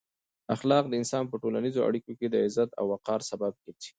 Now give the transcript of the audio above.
اخلاق د انسان په ټولنیزو اړیکو کې د عزت او وقار سبب ګرځي.